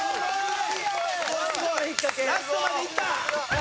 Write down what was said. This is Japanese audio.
ラストまでいった！